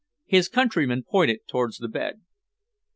His countryman pointed towards the bed.